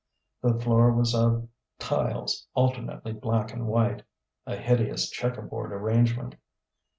The floor was of tiles, alternately black and white: a hideous checker board arrangement.